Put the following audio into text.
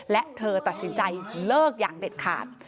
และเธอตัดสินใจเลิกอย่างเด็ดขาด